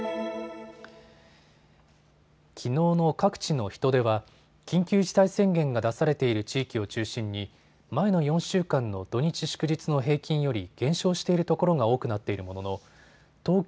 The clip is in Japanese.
きのうの各地の人出は緊急事態宣言が出されている地域を中心に前の４週間の土日祝日の平均より減少しているところが多くなっているものの東京